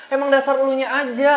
emang dasar ulunya aja